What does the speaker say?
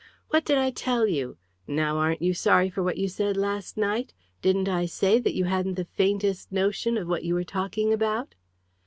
"What did I tell you? Now aren't you sorry for what you said last night? Didn't I say that you hadn't the faintest notion of what you were talking about?"